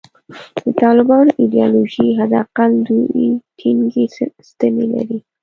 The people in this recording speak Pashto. د طالبانو ایدیالوژي حد اقل دوې ټینګې ستنې لري.